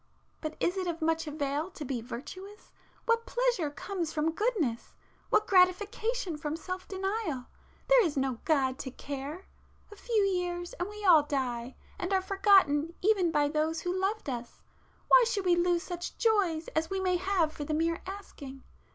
But is it of much avail to be virtuous? What pleasure comes from goodness?—what gratification from self denial? There is no God to care! A few years, and we all die, and are forgotten even by those who loved us,—why should we lose such joys as we may have for the mere asking?